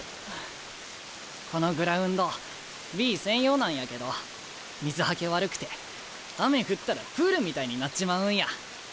このグラウンドＢ専用なんやけど水はけ悪くて雨降ったらプールみたいになっちまうんや。